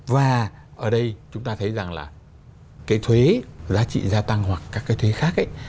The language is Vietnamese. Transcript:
và ở đây chúng ta thấy rằng là cái thuế giá trị gia tăng hoặc các cái thuế khác ấy